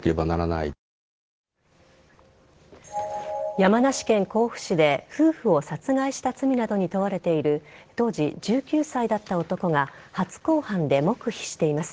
山梨県甲府市で夫婦を殺害した罪などに問われている当時１９歳だった男が初公判で黙秘しています。